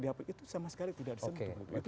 bap itu sama sekali tidak disentuh